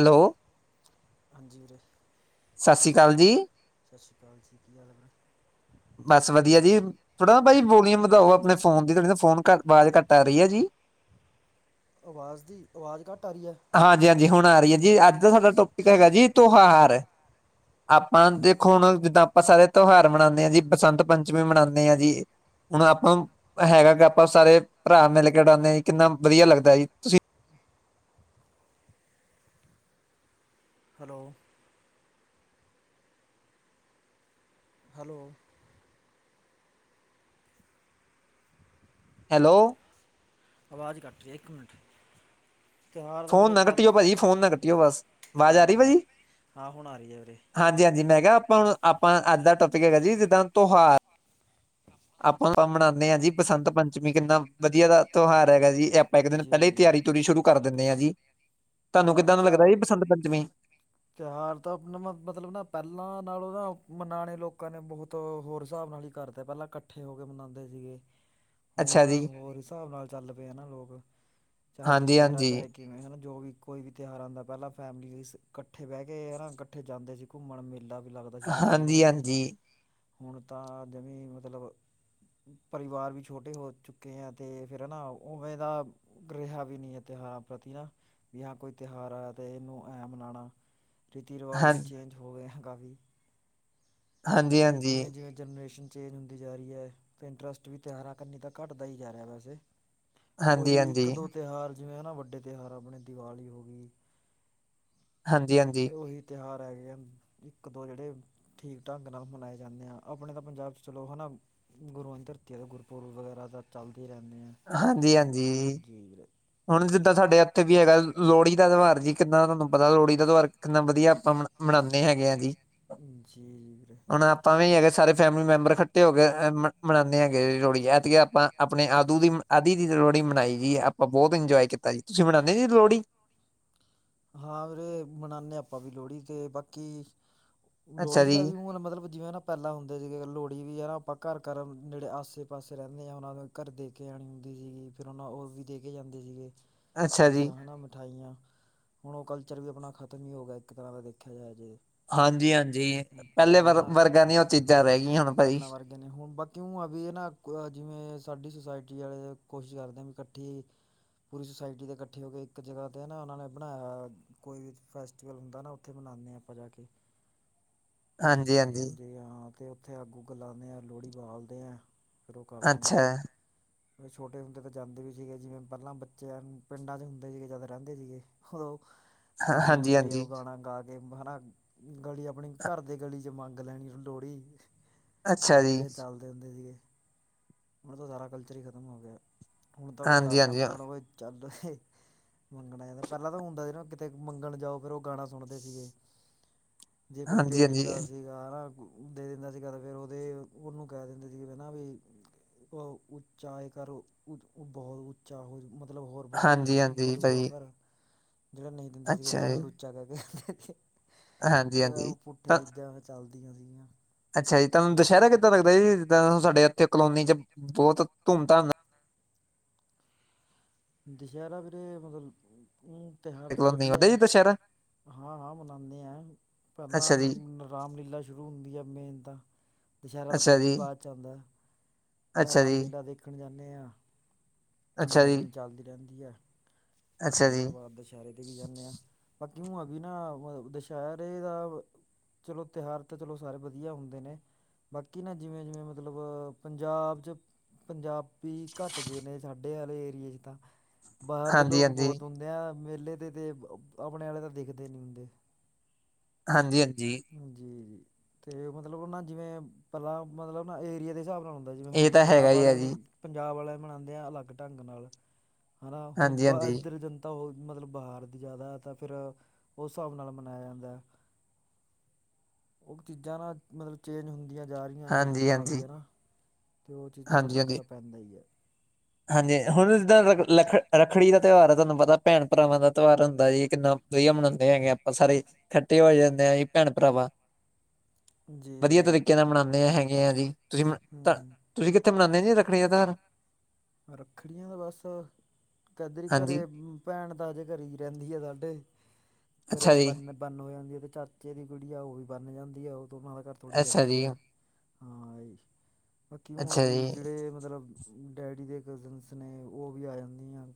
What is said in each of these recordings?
Hello- ਹਾਂਜੀ ਵੀਰੇ ਸਾ ਸੀ਼ ਕਾਲ ਜੀ। ਸਤਿ ਸ਼੍ਰੀ ਕਾਲ ਜੀ। ਕੀ ਹਾਲ ਐ? ਬਸ ਵਧੀਆ ਜੀ, ਥੋੜਾ ਨਾ ਭਾਈ ਵੋਲੀਯੂਮ ਵਧਾਓ ਅਪਣੇ ਫੋਨ ਦੀ ਥੋੜੀ ਨਾ ਫੋਨ ਘਟ ਵਾਜ਼ ਘੱਟ ਆ ਰਈ ਐ ਜੀ। ਆਵਾਜ਼ ਦੀ ਆਵਾਜ਼ ਘੱਟ ਆ ਰੀ ਐ। ਹਾਂਜੀ-ਹਾਂਜੀ ਹੁਣ ਆ ਰਈ ਐ ਜੀ ਅੱਜ ਦਾ ਸਾਡਾ ਟੋਪਿਕ ਹੈਗਾ ਜੀ ਤੂਹਾਰ। ਆਪਾਂ ਦੇਖੋ ਹੁਣ ਜਿੱਦਾਂ ਆਪਾਂ ਸਾਰੇ ਤਿਉਹਾਰ ਮਨਾਣੇ ਹਾਂ ਜੀ ਬਸੰਤ ਪੰਚਮੀ ਮਨਾਣੇ ਆਂ ਜੀ। ਹੁਣ ਆਪਾਂ ਨੁ ਹੈਗਾ ਕਿ ਆਪਾਂ ਸਾਰੇ ਪਰਾ ਮਿਲ ਕੇ ਉਡਾੰਦੇ ਆ ਜੀ ਕਿੰਨਾ ਵਧੀਆ ਲੱਗਦਾ ਜੀ। ਤੁਸੀਂ ਹੈਲੋ- ਹੈਲੋ। ਹੈਲੋ। ਆਵਾਜ਼ ਕੱਟ ਰੀ ਐ, ਇੱਕ ਮਿੰਟ ਤਿਉਹਾਰ ਦਾ ਫੋਨ ਵੀਰੇ ਨਾ ਪਰ ਕੱਟਿਓ ਭਾਜੀ, ਫੋਨ ਨਾ ਕੱਟਿਓ ਬਸ। ਆਵਾਜ਼ ਹਾਂ-ਹਾਂ ਹੁਣ ਆ ਰਹੀ ਹੈ ਵੀਰੇ। ਹਾਂਜੀ-ਹਾਂਜੀ ਮੈਂ ਕਿਹਾ ਆਪਾਂ ਆਪਾਂ ਅੱਜ ਦਾ ਟੋਪਿਕ ਹੈਗਾ ਜੀ ਜਿੱਦਾਂ ਤੋਹਾਰ। ਆਪਾਂ ਆ ਮਨਾਣੇ ਹਾਂ ਜੀ ਬਸੰਤ ਪੰਚਮੀ ਕਿੰਨਾ ਵਧੀਆ ਦਾ। ਤੋਹਾਰ ਹੈਗਾ ਜੀ ਆਪਾਂ ਇੱਕ ਦਿਨ ਜੀ ਪਹਿਲੇ ਹੀ ਜੀ ਤਿਆਰੀ ਤੁਰੀ ਸ਼ੁਰੂ ਕਰ ਦਿੰਣੇ ਹਾਂ ਜੀ। ਤਾਨੂੰ ਪਰ ਕਿੱਦਾਂ ਦਾ ਨਾ ਲੱਗਦਾ ਐ ਜੀ ਬਸੰਤ ਪੰਚਮੀ? ਤਿਉਹਾਰ ਤਾਂ ਆ ਨ ਮਤਲਬ ਨਾ ਪਹਿਲਾਂ ਨਾਲੋਂ ਨਾ ਮਨਾਣੇ ਲੋਕਾਂ ਨੇ ਬਹੁਤ ਹੋਰ ਹਿਸਾਬ ਨਾਲ ਹੀ ਘਰ ਦੇ ਪਹਿਲਾਂ ਇਕੱਠੇ ਹੋ ਕੇ ਮਨਾਂਦੇ ਸੀਗੇ। ਹਾਂ। ਹੁਣ ਹੋਰ ਹਿਸਾਬ ਨਾਲ ਚੱਲ ਪਏ ਆ ਨਾ ਲੋਕ ਚਾਹੇ ਹਾਂਜੀ ਹਾਂਜੀ ਦੁਸਹਿਰਾ-ਚਾਹੇ ਕਿਵੇਂ ਹੈ ਨਾ ਜੋ ਵੀ ਕੋਈ ਵੀ ਤਿਉਹਾਰ ਆੰਦੈ ਪੈਲਾਂ ਫੈਮਲੀਸ ਕੱਠੇ ਬੈਹ ਕੇ ਯਾਰਾ ਕੱਠੇ ਜਾਂਦੇ ਸੀ ਘੁੰਮਣ। ਮੇਲਾ ਵੀ ਲੱਗ ਹਾਂਜੀ-ਹਾਂਜੀ। ਹੁਣ ਤਾਂ ਆਦਮੀ ਮਤਲਬ ਪਰਿਵਾਰ ਵੀ ਛੋਟੇ ਹੋ ਚੁੱਕੇ ਐ, ਤੇ ਫੇਰ ਹਨਾ ਉਵੇਂ ਦਾ ਰਿਹਾ ਵੀ ਨੀ ਏ ਤਿਉਹਾਰਾਂ ਪ੍ਰਤੀ ਨਾ ਵੀ ਹਾਂ ਕੋਈ ਤਿਉਹਾਰ ਆਯਾ ਤੇ ਇਨੂੰ ਐਂ ਮਨਾਣਾ। ਰੀਤੀ-ਰਿਵਾਜ਼ ਹਾਂ ਵੀ ਚੇਂਜ ਹੋ ਗਏ ਹੈਂਅ ਕਾਫੀ। ਹਾਂਜੀ ਬਾਕੀ ਹਾਂਜੀ ਜਿਵੇਂ-ਜਿਵੇਂ ਜਨਰੇਸ਼ਨ ਚੇਂਜ ਹੁੰਦੀ ਜਾ ਰੀ ਐ ਤੇ ਇੰਟਰਸਟ ਵੀ ਤਿਉਹਾਰਾਂ ਕਨੀ ਤਾਂ ਘੱਟਦਾ ਹੀ ਜਾ ਰਿਹਾ ਵੈਸੇ। ਹਾਂਜੀ ਹਾਂਜੀ ਓਹੀ ਹਾਂਜੀ ਇੱਕ-ਦੋ ਤਿਉਹਾਰ ਜਿਵੇਂ ਹਨਾ ਵੱਡੇ ਤਿਉਹਾਰ ਅਪਣੇ ਦੀਵਾਲੀ ਹੋ ਗੀ‌। ਹਾਂਜੀ-ਹਾਂਜੀ। ਉਹੀ ਤਿਉਹਾਰ ਹੈਗੇ ਆ ਇੱਕ ਦੋ ਜਿਹੜੇ ਠੀਕ। ਢੰਗ ਨਾਲ ਮਨਾਏ ਜਾਂਦੇ ਆਾਂ ਆਪਣੇ ਤਾਂ ਪੰਜਾਬ ਚ ਚਲੋ ਹੈ ਨਾ ਗੁਰੂਆਂ ਦੀ ਧਰਤੀ ਐ ਦੇ ਗੁਰਪੁਰਬ ਵਗੈਰਾ ਤਾਂ ਚੱਲਦੇ ਹੀ ਰਹਿੰਦੇ ਹੈ। ਹਾਂਜੀ-ਹਾਂਜੀ। ਜੀ ਵੀਰੇ। ਹੁਣ ਜਿੱਦਾਂ ਸਾਡੇ ਇੱਥੇ ਵੀ ਹੈਗਾ ਲੋਹੜੀ ਦਾ ਤਿਉਹਾਰ ਜੀ ਕਿੱਦਾਂ ਦਾ ਤੁਹਾਨੂੰ ਪਤਾ ਲੋਹੜੀ ਦਾ ਤਿਉਹਾਰ। ਕਿਨਾ ਵਧੀਆ ਆਪਾਂ ਮਨਾਉਦੇ ਹੈਗੇ ਆ ਜੀ ਜੀ ਜੀ ਵੀਰੇ ਹੁਣ ਆਪਾਂ ਵੀ ਅਗੇ ਸਾਰੇ। ਫੈਮਿਲੀ ਮੈਂਬਰ ਇਕੱਠੇ ਹੋ ਕੇ ਮਨਾਉਂਦੇ ਹੈਗੇ ਲੋਹੜੀ ਐਤ ਗਿ ਆਪਾਂ ਆਪਣੇ ਆਪ। ਦੂ ਦੀ ਆਧੀ ਦੀ ਲੋਹੜ ਮਨਾਈ ਜੀ ਆਪਾਂ ਬਹੁਤ ਇੰਜੋਏ ਕੀਤਾ ਜੀ ਤੁਸੀਂ ਮਨਾਉਂਦੇ ਨਿ ਜੀ ਲੋਹੜੀ। ਹਾਂ ਵੀਰੇ ਮਨਾਦੇ ਹਾ ਆਪਾਂ ਵੀ ਲੋਹੜੀ ਤੇ ਬਾਕੀ। ਅੱਛਾ ਲੋੜੀ ਜੀ ਦਾ ਵੀ ਉਹ ਮਤਲਬ ਜਿਵੇਂ ਨਾ। ਪਹਿਲਾਂ ਹੁੰਦੇ ਸੀਗੇ ਲੋਹੜੀ ਵੀ ਹੈ ਨਾ ਆਪਾਂ ਘਰ ਘਰ ਨੇੜੇ ਆਸੇ ਪਾਸੇ ਰਹਿੰਦੇ ਆਾਂ ਉਹਨਾਂ ਨਾ। ਘਰ ਦੇ ਕੇ ਆਉਣੇ ਹੁੰਦੀ ਫਿਰ ਉਹਨਾਂ ਔਰ ਵੀ ਦੇ ਕੇ ਜਾਂਦੇ ਸੀਗੇ। ਅੱਛਾ ਜੀ ਚੀਜ਼ਾਂ ਹਨਾ ਮਿਠਾਈਆਂ। ਹੁਣ ਉਹ ਕਲਚਰ ਵੀ ਆਪਣਾ ਖ਼ਤਮ ਹੀ ਹੋ ਗਿਆ ਇੱਕ ਤਰ੍ਹਾਂ ਦਾ ਦੇਖਿਆ ਜਾਇਆ ਜੇ। ਹਾਂਜੀ ਹਾਂਜੀ ਪਹਿਲੇ ਪਹਿਲਾਂ ਵਰ ਹਨਾ ਵਰਗਾਾਂ ਨਿ ਉਹ ਚੀਜ਼ਾਂ ਰਹਿ ਗਈਆਂ ਹੁਣ ਭਾਜੀ। ਪਹਿਲਾਂ ਵਰਗੇ ਹੁਣ ਬਾਕੀ ਹ ਅ ਵੀ ਇਹ ਨਾ ਜਿਵੇਂ ਸਾਡੀ ਸੁਸਾਇਟੀ ਵਾਲੇ ਕੋਸ਼ਿਸ਼ ਕਰਦੇ ਵੀ ਇਕੱਠੀ। ਪੂਰੀ ਸੁਸਾਇਟੀ ਤੇ ਇਕੱਠੇ ਹੋ ਕੇ ਇੱਕ ਜਗ੍ਹਾ ਤੇ ਨਾ ਉਹਨਾਂ ਨੇ। ਬਣਾਇਆ ਕੋਈ ਵੀ ਫੈਸਟੀਵਲ ਹੁੰਦਾ ਨਾ ਉੱਥੇ ਮਨਾਉਂਦੇ ਹਾਂ ਆਪਾਂ ਜਾ ਕੇ। ਹਾਂਜੀ ਹਾਂ ਤੇ ਉੱਥੇ ਅੱਗ ਉਗ ਲਾਉਨੇ ਆ ਲੋਹੜੀ ਬਾਲਦੇ ਆ। ਸ਼ੁਰੂ ਕਰਦੇ ਹਾਂ ਅੱਛਾ ਹਾਂਜੀ। ਫ ਛੋਟੇ ਹੁੰਦੇ ਤਾਂ ਜਾਂਦੇ ਵੀ ਸੀਗੇ ਜਿਵੇਂ ਪਹਿਲਾਂ ਬੱਚੇ ਪਿੰਡਾਂ ਚ ਹੁੰਦੇ ਸੀਗੇ ਜਾਂਦਾ ਰਹਿੰਦੇ ਸੀਗੇ। ਉਹਹ ਹਾਂ- ਸੁੰਦਰੀ ਹਾਂਜੀ ਮੁੁੰਦਰੀ ਹਾਂਜੀ ਉਹ ਗਾਣਾ ਗਾ। ਤੇ ਮਹਾਨਾ ਗਲੀ ਆਪਣੀ ਘਰ ਦੇ ਗਲੀ ਚ ਮੰਗ ਲੈਣੀ ਲੋਹੜੀ। ਅੱਛਾ ਉਹੋ ਜੀ ਜਿਹੇ ਚੱਲਦੇ ਹੁੰਦੇ ਸੀਗੇ ਹੁਣ ਤਾਂ ਸਾਰਾ ਕਲਚਰ ਹੀ ਖ਼ਤਮ ਹੋ ਗਿਆ। ਹੁਣ ਤਾਂ ਕੋਈ ਹਾਂਜੀ ਅੱਜ ਦਾ ਹਾਂਜੀ ਮੰਗਣਾ ਕੋਈ ਚੱਲ ਮੰਗਣਾ ਇਹਦਾ। ਪਹਿਲਾਂ ਤਾਂ ਹੁੰਦਾ ਸੀ ਨਾ ਕਿਤੇ ਮੰਗਣ ਜਾਓ ਫਿਰ ਉਹ ਗਾਣਾ ਸੁਣਦੇ ਸੀਗੇ। ਜੇ ਕੋਈ ਹਾਂਜੀ ਦੇ ਹਾਂਜੀ ਦਿੰਦਾ ਸੀ। ਦੇ ਦਿੰਦਾ ਸੀਗਾ ਤੇ ਫੇਰ ਉਹਦੇ ਉਹਨੂੰ ਕਹਿ ਦਿੰਦੇ ਸੀਗੇ ਨਾ ਵੀ। ਉਹ ਉੱਚਾਏ ਕਰੋ ਬਹੁਤ ਉੱਚਾ ਹੋ ਮ ਮਤਲਬ ਹੋਰ ਵਧਾਈ ਹਾਂਜੀ [unintelligible] ਹਾਂਜੀ ਬਦੂਗਾ ਭਾਜੀ ਘਰ। ਜਿਹੜਾ ਨਹੀ ਦਿੰਦੇ ਸੀਗੇ [unintelligible] ਅੱਛਾ ਫੇਰ ਉਹਨੂੰ ਜੀ ਲੁਚਾ ਕਹ ਕੇ ਕੇ ਹਾਂਜੀ ਹਾਂਜੀ ਪੁੱਠੇ ਚੀਜ਼ਾਂ। ਚੱਲਦੀਆਂ ਸੀਗੀਆਂ। ਅਛਾ ਜੀ ਤੁਹਾਨੂੰ ਪਰ ਉਹ ਦਸ਼ਹਿਰਾਂ ਕਿੱਦਾਂ ਲੱਗਦਾ ਜੀ ਜਿੰਦਾ ਸਾਡੇ ਇੱਥੇ ਕਲੋਨੀ ਚ ਬਹੁਤ ਧੂਮ ਧਾਮ। ਨਾਲ ਦੁਸਹਿਰਾਂ ਵੀਰੇ ਮਤਲਬ ਉ ਤਿਉਹਾਰ ਕਲੋਂ ਨਹੀਂ ਹੁੰਦਾ ਜੀ ਵਧੀਆ। ਦੁਸਹਿਰਾ ਹਾਂ ਹਾਂ ਮਨਾਆਦੇ ਹਾਂ। ਪਹਿਲਾਂ ਅੱਛਾ ਜੀ ਰਾਮਲੀਲਾ ਸ਼ੁਰੂ ਹੁੰਦੀ ਆ ਮੇਨ ਤਾਂ। ਦੁਸਹਿਰਾ ਤਾਂ ਅੱਛਾ ਫਿਰ ਵੀ ਜੀ ਬਾਅਦ ਚ ਆਉਦਾ ਪਹਿਲਾਂ ਅੱਛਾ ਜੀ ਰਾਮਲੀਲਾ ਦੇ ਦੇਖਣ ਜਾਨੇ ਹਾਂ ਅੱਛਾ ਨੌ ਜੀ ਦਿਨ ਚੱਲਦੀ ਰਹਿਦੀ ਹੈ। ਤੇ ਅੱਛਾ ਜੀ ਉਹਦੇ ਬਾਅਦ ਦੁਸਹਿਰੇ ਤੇ ਵੀ ਜਾਂਨੇ ਹਾਂ ਬਾਕੀ ਹੁ ਵੀ ਨਾ ਵ ਦੁਸਹਿਰੇ ਦਾ। ਚਲੋ ਤਿਉਹਾਰ ਤਾਂ ਚਲੋ ਸਾਰੇ ਵਧੀਆ ਹੁੰਦੇ ਨੇ। ਬਾਕੀ ਨਾ ਜਿਵੇਂ ਜਿਵੇਂ ਮਤਲਬ ਪੰਜਾਬ ਚ। ਪੰਜਾਬੀ ਘੱਟ ਗਏ ਨੇ ਸਾਡੇ ਵਾਲੇ ਏਰੀਏ ਚ ਤਾਂ ਬਾਹਰ ਦੇ ਹਾਂਜੀ ਲੋਕ। ਹਾਂਜੀ ਹੁੰਦਿਆਂ ਮੇਲੇ ਤੇ-ਤੇ ਆਪਣੇ ਵਾਲੇ ਤਾਂ ਦਿਖਦੇ ਨੀ ਹੁੰਦੇ। ਹਾਂਜੀ ਹਾਂਜੀ। ਜੀ ਜੀ ਤੇ ਮਤਲਬ ਨਾ ਜਿਵੇਂ ਪਹਿਲਾਂ ਮਤਲਬ ਨਾ ਏਰੀਏ ਦੇ ਹਿਸਾਬ ਨਾਲ ਹੁੰ ਜਿਵੇਂ ਹੁਣ ਇਹ ਤਾਂ ਪੰਜਾਬ ਹੈਗਾ ਹੀ ਹੈ ਵਾਲੇ ਨੇ। ਜੀ ਪੰਜਾਬ ਵਾਲੇ ਮਨਾਂਦੇ ਆ ਅਲੱਗ ਢੰਗ ਨਾਲ ਹਨਾ ਹੁਣ ਹਾਂਜੀ ਬ। ਹਾਂਜੀ ਜਨਤਾ ਹੋ ਮਤਲਬ ਬਾਹਾਰ ਦੀ ਜ਼ਿਆਦਾ ਤਾਂ ਫਿਰ ਅ। ਉਸ ਹਿਸਾਬ ਨਾਲ ਮਨਾਇਆ ਜਾਂਦਾ ਹੈ ਉਹ ਚੀਜ਼ਾਂ ਨਾ ਮਤਲਬ ਚੇਂਜ ਹੁੰ। ਜਾ ਰਹੀਆਂ ਨੇ ਹਾਂਜੀ ਹਾਂਜੀ ਕਾਫੀ ਹਾਂਜੀ ਹਣਾ ਤੇ ਉਹ ਚੀਜ਼ਾਂ ਦਾ ਫ਼ਰਕ ਹਾਂਜੀ ਤਾਂ ਪੈਂਦਾ ਹੀ ਹੈ। ਹਾਂਜੀ ਹੁਣ ਜਿੱਦਾਂ ਰੱਖੜੀ ਦਾ ਤਿਉਹਾਰ ਹੈ ਤੁਹਾਨੂੰ ਪਤਾ ਭੈਣ ਭਰਾਵਾਂ ਦਾ ਤਿਉਹਾਰ ਹੁੰਦਾ ਜੀ ਕਿੰਨਾ ਦੋਹੀ ਬਣਾਉਦੇ ਹੈਗੇ ਆਪਾਂ ਸਾਰੇ ਇਕਠੇ ਹੋ ਜਾਂਦੇ ਆ ਜੀ ਭੈਣ ਭਰਾਵਾਂ। ਜੀ ਵਧੀਆ ਵੀਰੇ ਤਰੀਕੇ ਨਾਲ ਮਨਾਉਦੇ ਹੈਗੇ ਆ ਜੀ ਤੁਸੀ ਤਾ। ਹਮ ਤੁਸੀ ਕਿਥੇ ਮਨਾਨੇਂ ਜੀ ਰੱਖੜੀ ਦਾ ਤਿਉਹਾਰ? ਰੱਖੜੀਆਂ ਤਾਂ ਬਸ, ਕੈਦਰੀ ਘਰੇ ਹਾਂਜੀ ਭੈਣ ਤਾਂ ਅਜੇ ਘਰੇ ਰਹਿੰਦੀ ਆ ਸਾਡੇ, ਘਰੇ ਅੱਛਾ ਜੀ ਬੰਨ ਬੰਨ ਹੋ ਜਾਂਦੀ ਹੈ। ਤੇ ਚਾਚੇ ਦੀ ਕੁੜੀ ਆ, ਉਹ ਵੀ ਬੰਨ ਜਾਂਦੀ ਆ। ਉਹ ਦੋਹਾਂ ਦਾ ਘਰ ਥੋੜ੍ਹੀ ਜੀ ਅੱਗੇ ਆ, ਆਹੀ, ਪਰ ਕਿਉਂ ਆ ਅੱਛਾ ਵੀ, ਜੀ ਜਿਹੜੇ ਮਤਲਬ ਡੈਡੀ ਦੇ ਕਜ਼ਨਸ ਨੇ ਉਹ ਵੀ ਆ ਜਾਂਦੀਆਂ,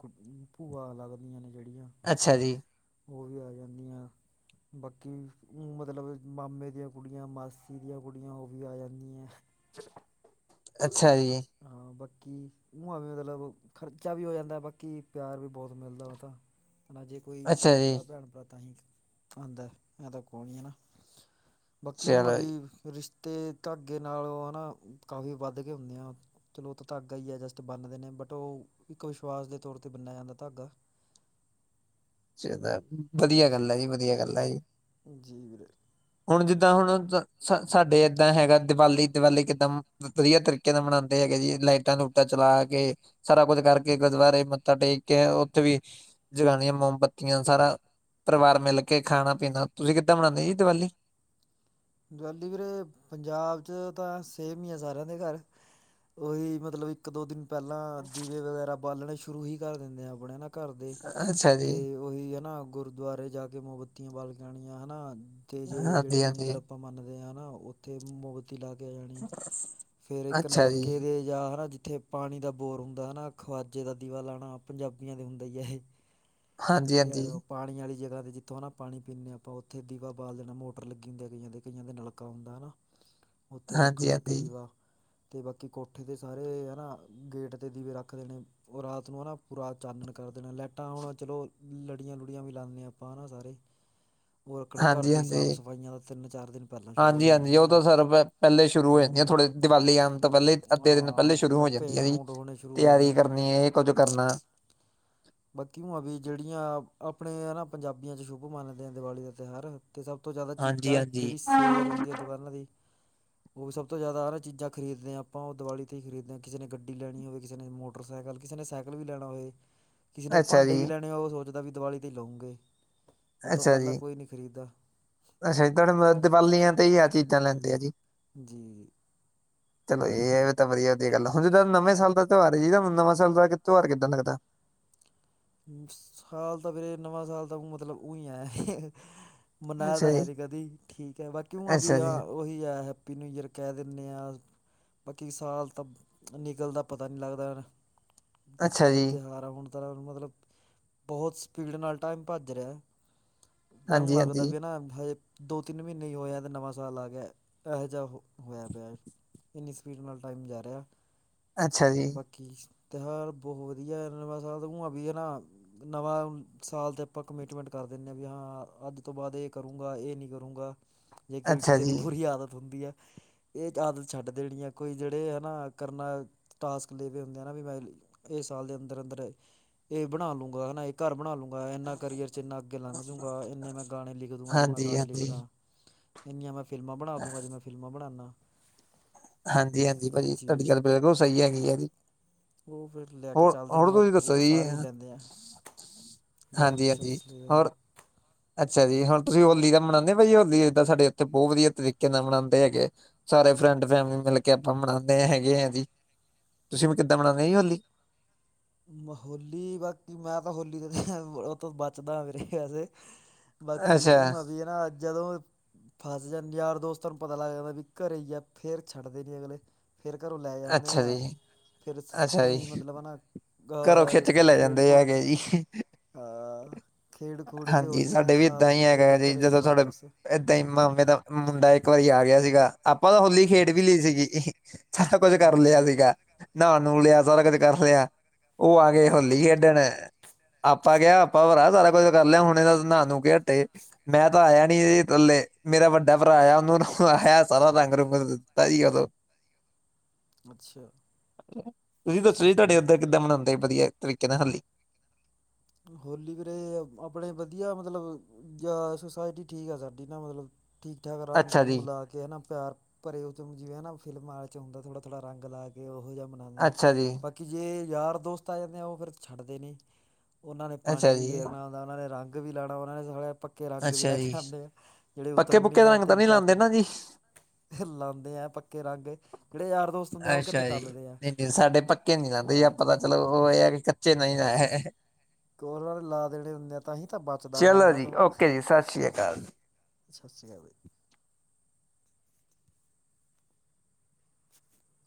ਭੂਆ ਲੱਗਦੀਆਂ ਨੇ ਜਿਹੜੀਆਂ। ਅੱਛਾ ਜੀ। ਉਹ ਵੀ ਆ ਜਾਂਦੀਆਂ। ਬਾਕੀ ਮਤਲਬ, ਮਾਮੇ ਦੀਆਂ ਕੁੜੀਆਂ, ਮਾਸੀ ਦੀਆਂ ਕੁੜੀਆਂ, ਉਹ ਵੀ ਆ ਜਾਂਦੀਆਂ। ਅਛਾ ਜੀ। ਹਾਂ ਬਾਕੀ, ਭੂਆ ਮਤਲਬ ਖਰਚਾ ਵੀ ਹੋ ਜਾਂਦਾ ਬਾਕੀ, ਪਿਆਰ ਵੀ ਬਹੁਤ ਮਿਲਦਾ, ਉਹ ਤਾਂ ਹਾਂਜੀ। ਕੋਈ ਅੱਛਾ ਜੀ ਹੁੰਦਾ ਭੈਣ-ਭਰਾ ਤਾਂਹੀ, ਆਂਦਾ ਐਂ ਤਾਂ ਕੌਣ ਈ ਹਣਾ। ਬਾਕੀ ਉ ਚਲੋ ਆਂਵੀ ਜੀ ਰਿਸ਼ਤੇ ਧਾਗੇ ਨਾਲ ਉਹ ਆ, ਨਾ ਕਾਫੀ ਵੱਧਕੇ ਹੁੰਦੇ ਆ ਚਲੋ ਉਹ ਤਾਂ ਧਾਗਾ ਹੀ ਹੈ, ਜਸਟ ਬੰਨਦੇ ਨੇ ਬਟ ਉਹ, ਇੱਕ ਵਿਸ਼ਵਾਸ ਦੇ ਤੌਰ ਤੇ ਬਨਿਆ ਜਾਂਦਾ ਹੈ ਧਾਗਾ। ਚਾਹੀਦਾ ਵਧੀਆ ਗੱਲ ਹੈ ਜੀ, ਵਧੀਆ ਗੱਲ ਹੈ ਜੀ। ਜੀ ਵੀਰੇ ਹੁਣ ਜਿੱਦਾਂ ਹੁਣ, ਸਾਡੇ ਏਦਾਂ ਹੈਗਾ, ਦੀਵਾਲੀ-ਦੀਵਾਲੀ ਕਿੱਦਾਂ ਵਧੀਆ ਤੱਰੀਕੇ ਨਾਲ ਮਨਾਂਦੇ ਹੈਗੇ ਜੀ, ਲਾਈਟਾਂ-ਲੂਟਾਂ ਚਲਾਕੇ ਸਾਰਾ ਕੁੱਝ ਕਰ ਕੇ ਗੁਰਦੁਆਰੇ ਮੱਥਾ ਟੇਕਕੇ ਉਥੇ ਵੀ ਜਗਾਣੀਆਂ ਮੋਮਬੱਤੀਆਂ ਸਾਰਾ ਪਰਿਵਾਰ ਮਿਲਕੇ ਖਾਣਾ-ਪੀਣਾ, ਤੁਸੀ ਕਿੱਦਾਂ ਮਨਾਂਦੇ ਜੀ ਦੀਵਾਲੀ? ਦੀਵਾਲੀ ਵੀਰੇ, ਪੰਜਾਬ'ਚ ਤਾਂ ਸੇਮ ਹੀ ਆ ਸਾਰਿਆਂ ਦੇ ਘਰ। ਉਹੀ ਮਤਲਬ ਇਕ-ਦੋ ਦਿਨ ਪਹਿਲਾਂ ਦੀਵੇ ਵਗੈਰਾ ਬਾਲਣੇ ਸ਼ੁਰੂ ਹੀ ਕਰ ਦਿੰਨੇ ਆ ਨਾ, ਆਪਣੇ ਨਾ ਘਰਦੇ, ਅੱਛਾ ਜੀ ਤੇ ਉਹੀ ਹਨਾ, ਗੁਰਦੁਆਰੇ ਜਾਕੇ ਮੋਮਬੱਤੀਆਂ ਬਾਲਕੇ ਆਣੀਆਂ ਹਨਾ, ਤੇ ਜੇ ਜਿਹੜੇ ਹਾਂਜੀ ਹਾਂਜੀ ਮੰਦਿਰ ਆਪਾਂ ਮੰਨਦੇ ਆ ਨਾ ਉਥੇ ਮੋਮਬੱਤੀ ਲਾਕੇ ਆ ਜਾਣੀ, ਫੇਰ ਇਕ ਅੱਛਾ ਜੀ ਨਲਕੇ ਦੇ ਜਾਂ ਹਨਾ, ਜਿਥੇ ਪਾਣੀ ਦਾ ਬੋਰ ਹੁੰਦਾ ਹਨਾ, ਖਵਾਜੇ ਦਾ ਦੀਵਾ ਲਾਣਾ ਪੰਜਾਬੀਆਂ ਦੇ ਹੁੰਦਾ ਹੀਹੈ, ਇਹ। [inaudible] ਤੇ ਹੈਗਾ। ਪਾਣੀ ਵਾਲੀ ਜਗ੍ਹਾ ਤੇ ਜਿੱਥੋਂ ਹਨਾ ਪਾਣੀ ਪੀਂਨੇ ਹਾਂ, ਆਪਾਂ ਉੱਥੇ ਦੀਵਾ ਬਾਲਦੇ ਨਾਲ ਮੋਟਰ ਲੱਗੀ ਹੁੰਦੀ ਆ, ਕਈਆਂ ਦੇ। ਕਈਆਂ ਦਾ ਨਲਕਾ ਹੁੰਦਾ ਹੈ ਨਾ, ਉੱਥੇ ਹਾਂਜੀ ਹਾਂਜੀ ਹਾਂਜੀ ਰੱਖਣਾ ਇੱਕ ਦੀਵਾ। ਤੇ ਬਾਕੀ ਕੋਠੇ ਦੇ ਸਾਰੇ ਹਨਾ, ਗੇਟ 'ਤੇ ਦੀਵੇ ਰੱਖਦੇ ਨੇ। ਉਹ ਰਾਤ ਨੂੰ ਹਨਾ ਪੂਰਾ ਚਾਨਣ ਕਰਦੇ ਨੇ, ਲਾਈਟਾਂ ਹੁਣ ਚਲੋ ਲੜੀਆਂ-ਲੁੜੀਆਂ ਵੀ ਲਾਂਨੇ ਹਾਂ, ਆਪਾਂ ਹਨਾ ਸਾਰੇ। [inaudible] ਉਹ ਰੱਖਣਾ ਘਰ ਦੀ ਸਾਫ਼-ਸਫਾਈਆਂ ਦਾ, ਤਿੰਨ-ਚਾਰ ਦਿਨ ਪਹਿਲਾਂ। ਸ਼ੁਰੂ ਹੋ ਹਾਂਜੀ-ਹਾਂਜੀ, ਜਾਂਦੀਆਂ ਉਹ ਨੇ ਤਾਂ ਸਰ ਪਹਿਲੇ ਸ਼ੁਰੂ ਹੋ ਜਾਂਦੀਆਂ, ਹੂੰ ਥੋੜੇ ਦੀਵਾਲੀ ਆਉਣ ਤੋਂ ਪਹਿਲੇ ਕਿੰਨੇ ਦਿਨ ਪਹਿਲੇ ਹਾਂ ਸ਼ੁਰੂ ਕ ਹੋ ਜਾਂਦੀ ਪੇਂਟ ਹੈਜੀ, ਪੂੰਟ ਹੋਣੇ ਸ਼ੁਰੂ ਹੋ ਜਾਂਦੇ ਤਿਆਰੀ ਆ, ਕਰਨੀ ਇਹ ਕੁੱਝ ਕਰਨਾ। ਬਾਕੀ ਉਂ ਵੀ ਆ ਜਿਹੜੀਆਂ ਆਪਣੇ ਆ ਨਾ ਪੰਜਾਬੀਆਂ'ਚ ਸ਼ੁਭ ਮੰਨਦੇ ਆਂ, ਦੀਵਾਲੀ ਦਾ ਤਿਉਹਾਰ। ਤੇ ਸਭ ਤੋਂ ਜ਼ਿਆਦਾ ਹਾਂਜੀ ਚੀਜ਼ਾਂ ਹਾਂਜੀ। ਜਿਹੜੀ ਸੇਲ ਹੁੰਦੀ ਹੈ, ਦੁਕਾਨਾਂ ਦੀ। ਉਹ ਵੀ ਸਭ ਤੋਂ ਜ਼ਿਆਦਾ ਹਨਾ ਚੀਜ਼ਾਂ ਖਰੀਦਦੇ ਹਾਂ ਆਪਾਂ, ਉਹ ਦਿਵਾਲੀ ਤੇ ਹੀ ਖਰੀਦਦੇ ਹਾਂ, ਕਿਸੇ ਨੇ ਗੱਡੀ ਲੈਣੀ ਹੋਵੇ, ਕਿਸੇ ਨੇ ਮੋਟਰ ਮੋਟਰਸਾਈਕਲ, ਕਿਸੇ ਨੇ ਸਾਈਕਲ ਵੀ ਲੈਣਾ ਹੋਏ। ਕਿਸੇ ਨੇ ਅੱਛਾ ਭਾਂਡੇ ਜੀ, ਵੀ ਲੈਣੇ ਉਹ ਸੋਚਦਾ, ਵੀ ਦਿਵਾਲੀ ਤੇ ਹੀ ਲਉਂਗੇ ਉਹ ਤੋਂ ਪਹਿਲਾਂ ਕੋਈ ਨਹੀਂ ਖਰੀਦਦਾ। ਅਛਾ ਜੀ, ਤੁਹਾਡਾ ਮਤਲਬ, ਦੀਵਾਲੀਆਂ ਤੇ ਹੀ ਆਹ ਚੀਜ਼ਾਂ ਲੈਂਦੇ ਆ ਜੀ। ਜੀ- ਜੀ। [inaudible] ਚਲੋ, ਇਹ ਐ ਵੀ ਤਾਂ ਵਧੀਆ ਦੀ ਗੱਲ ਆ, ਹੁਣ ਜਿੱਦਾਂ ਨਵੇਂ ਸਾਲ ਦਾ ਤਉਹਾਰ ਜੀਦਾ, ਨੂੰ ਨਵਾਂ ਸਾਲ ਦਾ ਤਉਹਾਰ ਕਿੱਦਾਂ ਦਾ ਲੱਗਦਾ? ਸਾਲ ਤਾਂ ਵੀਰੇ, ਨਵਾਂ ਸਾਲ ਤਾਂ ਉਂ ਮਤਲਬ ਉਂਈ ਹੈ ਮਨਾਇਆ ਅੱਛਾ ਤਾਂ ਹੈ ਜੀ, ਨਹੀਂ ਕਦੀ, ਠੀਕ ਹੈ, ਬਾਕੀ ਉਂ ਆਂ ਵੀ, ਅੱਛਾ ਆ ਜੀ, ਓਹੀ ਹੈ। ਵੀ, ਨਿਊ ਈਅਰ ਕਹਿ ਦਿੰਨੇ ਆਂ। ਬਾਕੀ ਸਾਲ ਤਾਂ, ਨਿਕਲਦਾ ਪਤਾ ਨਹੀਂ ਲੱਗਦਾ। ਅੱਛਾ ਚਾਹੇ ਜੀ, ਤਿਉਹਾਰ ਆ, ਹੁਣ ਤਾ ਮਤਲਬ ਬਹੁਤ ਸਪੀਡ ਨਾਲ ਟਾਈਮ ਭੱਜ ਰਿਹਾ ਐਂ ਹਾਂਜੀ ਲੱਗਦਾ ਹਾਂਜੀ, ਬਿ ਨਾ ਹੇ ਦੋ ਤਿੰਨ ਮੀਨੇ ਹੀ ਹੋਏ ਆ ਤੇ ਨਵਾਂ ਸਾਲ ਆ ਗੇਆ ਐਹੋ ਜਿਹਾ ਹੋ ਹੋਇਆ ਪਿਆ। ਇੰਨੀ ਸਪੀਡ ਨਾਲ ਟਾਈਮ ਜਾ ਰੇਆ। ਅੱਛਾ ਜੀ। ਬਾਕੀ ਤਿਉਹਾਰ ਬਹੁ ਵਧੀਆ [unintelligible] ਨਵਾਂ ਸਾਲ ਤੇ ਆਪਾਂ ਕਮਿਟਮੈਂਟ ਕਰ ਦੇਂਨੇ ਬੀ ਆ ਅੱਜ ਤੋਂ ਬਾਦ ਏ ਕਰੂੰਗਾ ਏ ਨੀ ਕਰੂੰਗਾ। ਜੇਕ ਅੱਛਾ ਕਿਸੇ ਦੀ ਜੀ, ਬੁਰੀ ਆਦਤ ਹੁੰਦੀ ਆ ਏ ਆਦਤ ਛੱਡ ਦੇਣੀ ਆ ਕੋਈ ਜਿਹੜੇ ਆ ਨਾ, ਕਰਨਾ ਟਾਸਕ ਲੇਵੇ ਹੁੰਦੇ ਆ ਨਾ ਵੀ ਮੈਂ ਏ ਸਾਲ ਦੇ ਅੰਦਰ ਅੰਦਰ ਏ ਬਣਾ ਲੂੰਗਾਾ ਏ ਘਰ ਬਣਾ ਲੂੰਗਾ ਐਂਨਾ ਕਰੀਅਰ ਚ ਇੰਨਾ ਅੱਗੇ ਲੰਘ ਜੂਗਾ ਐਂਨੇ ਮੈਂ ਗਾਣੇ ਲਿਖ ਦੂੰਗਾ ਜੇ ਮੈਂ ਹਾਂਜੀ ਗਾਣੇ ਲਿਖਦਾ [inaudible] ਐਂਨੀਆਂ ਮੈਂ ਫਿਲਮਾਂ ਬਣਾ ਦੂੰਗਾ ਜੇ ਮੈਂ ਫਿਲਮਾਂ ਬਣਾਨਾ। ਹਾਂਜੀ- ਹਾਂਜੀ ਭਾਜੀ ਧਾਡੀ ਗੱਲ ਬਿਲਕੁਲ ਸਹੀ ਹੈਗੀ ਆ ਜੀ। ਉ ਫੇਰ ਲੈ ਕੇ ਹੋਰ ਚੱਲ ਦੇ ਹੋਰ ਆ ਤੁਸੀਂ ਓ ਦੱਸੋ ਜੀ ਸਾਰੇ ਈ ਲੈਂਦੇ ਆ ਹਾਂਜੀ ਹਾਂਜੀ ਰੈਵਲੂਸ਼ਨਸ ਲਈ ਹੋਰ ਅੱਛਾ ਜੀ ਹੋਣ ਤੁਸੀਂ ਹੋਲੀ ਦਾ ਮਨਾਉਂਦੇ ਹੋ ਬਾਈ ਹੋਲੀਦਾਂ ਸਾਡੇ ਉੱਥੇ ਬਹੁਤ ਵਧੀਆ ਤਰੀਕੇ ਨਾਲ ਮਨਾਉਂਦੇ ਹੈਗੇ ਆ। ਸਾਰੇ ਫਰੈਂਡ ਫੈਮਲੀ ਮਿਲ ਕੇ ਆਪਾਂ ਮਨਾਉਂਦੇ ਹ ਹੈਗੇ ਆ ਜੀ, ਤੁਸੀਂ ਮ ਕਿੱਦਾਂ ਮਨਾਉਂਦੇ ਜੀ ਹੋਲੀ? ਬ ਹੋਲੀ ਬਾਕੀ ਮੈਂ ਤਾਂ ਹੋਲੀ ਦੇ ਓ ਤੋਂ ਬਚਦਾ ਆ ਵੀਰੇ ਵੈਸੇ। ਬਾਕੀ ਅੱਛਾ [unintelligible] ਫਸ ਜਾਂ ਯਾਰ ਦੋਤਾਂ ਨੂੰ ਪਤਾ ਲੱਗਦਾ ਵੀ ਘਰੇ ਆ ਫਿਰ ਛੱਡਦੇ ਨ ਅਗਲੇ। ਫਿਰ ਘਰੋਂ ਲੈ ਜਾਂਦੇ ਅੱਛਾ ਜੀ ਐ, ਫਿਰ ਸ ਅੱਛਾ ਮੀ ਜੀ ਮਤਲਬ ਨਾ ਘਰੋਂ ਅ ਖਿੱਚ ਕੇ ਲੈ ਖੇਡ ਜਾਂਦੇ ਖੂਡ ਕੇ ਹੈਗੇ ਜੀ। ਅ ਖੇਡ ਖੂਡ ਕੇ ਹਾਂਜੀ ਹੋਲੀ ਸਾਡੇ ਵੀ ਖਾ ਏਦਾਂ ਈ ਪੀ ਹੈਗਾ ਕੇ ਹੈ ਫਿਰ ਜੀ ਘਰੇ ਜਦੋਂ ਸਾਡੇ ਵਾਪਸ ਤੇ ਮਾਮੇ ਦਾ ਮੁੰਡਾ ਇੱਕ ਵਾਰੀ ਆ ਗਿਆ ਸੀਗਾ, ਆਪਾਂ ਤਾਂ ਹੋਲੀ ਖੇਡ ਵੀ ਲਈ ਸੀਗੀ ਜੀ। ਸਾਰਾ ਕੁਛ ਕਰ ਲਿਆ ਹਮ ਸੀਗਾ, ਨਹਾ ਨੂ ਲਿਆ ਸਾਰਾ ਕੁਛ ਕਰ ਲਿਆ ਓ ਆ ਗੇ ਹੋਲੀ ਆਹੋ ਖੇਡਣ ਆਪਾਂ ਕੇਆ ਆਪਾਂ ਵ ਸਾਰਾ ਕੁੱ ਕਰ ਲਿਆ ਹੁਣੇ ਅਸ ਨਾ ਨੂ ਕੀ ਹਟੇ ਮੈਂ ਤਾਂ ਆਇਆ ਨੀ ਥੱਲੇ ਮੇਰਾ ਵੱਡਾ ਭਰਾ ਆਇਆ ਉਨੂੰ ਆਇਆ ਸਾਰਾ ਰੰਗ ਰੁੰਗ [unintelligible] ਅੱਛਾ। ਤੁਈ ਦੱਸੋ ਜੀ ਤੁਆਡੇ ਉਦਰ ਕਿੱਦਾਂ ਮਨਾਂਦੇ ਵਧੀਆ ਤਰੀਕੇ ਨਾਲ ਹੱਲੀ? ਹੋਲੀ ਵੀਰੇ ਆਪਣੇ ਵਧੀਆ ਮਤਲਬ ਜਾਂ ਸੋਸਾਇਟੀ ਠੀਕ ਆ ਸਾਡੀ ਨਾ ਮਤਲਬ ਠੀਕ ਠਾਕ ਰੰਗ ਅੱਛਾ ਰੂੰਗ ਜੀ ਲਾ ਕੇ ਹਨਾ ਪਿਆਰ ਭਰੇ ਚ ਓ ਜਿਵੇਂ ਨਾ ਫਿਲਮਾ ਚ ਹੁੰਦਾ ਥੋੜਾ -ਥੋੜਾ ਰੰਗ ਲਾ ਕੇ ਉਹ ਜਾ ਲਾਨੇਂ ਆ ਅੱਛਾ ਜੀ ਬਾਕੀ ਜੇ ਯਾਰ ਦੋਸਤ ਆ ਜਾਂਦੇ ਆ ਓ ਫਿਰ ਛੱਡਦੇ ਨੀ। ਓਨਾਂ ਨੇ ਪਾਣੀ ਅੱਛਾ ਵੀ ਜੀ ਗੇਰਨਾ ਉਦਾ ਓਨਾ ਨਾਂ ਨੇ ਰੰਗ ਵੀ ਲਾਣਾ ਉਹਨਾਂ ਨੇ ਸਾਲੇ ਕੇ ਰੰਗ ਵੀ ਅੱਛਾ ਲੱਥ ਜੀ ਜਾਦੇ ਆ ਜੇੜੇ ਪੱਕੇ ਉਤਰਨ ਪੁੱਕੇ ਨਾ ਰੰਗ ਤਾਂ ਤਿੰਨ ਨਹੀਂ ਚਾਰ- ਲਾਉਂਦੇ ਚਾਰ ਨਾ ਜੀ ਹ ਲਾਂਦੇ ਆ ਪੱਕੇ ਰੰਗ ਜੇੜੇ ਯਾਰ ਦੋਸਤ ਹੁੰਦੇ ਆ ਓ ਕਿੱਥੇ ਟਲਦੇ ਆ। ਐਨੇ ਸਾਡੇ ਧ ਕੇ ਨੀ ਜਾਂਦੇ ਜੀ ਹਾਂ ਆਪਾ ਚਲੋ ਓ ਏ ਹੈ ਕਿ ਕੱਚੇ ਨਈ ਆ ਹ ਕੋਰ ਵਾਲੇ ਲਾ ਦੇਦੇ ਹੁੰਦੇ ਆ ਤਾਂ ਹੀ ਤਾਂ ਬਚਦਾ ਮੈਂ ਚਲੋ ਓਨਾਂ ਜੀ ਤੋਂ। ਓਕੇ ਜੀ ਸਤਿ ਸ਼੍ਰੀ ਅਕਾਲ ਸੱਸੀ ਕਾਲ ਬਈ। [unintelligible]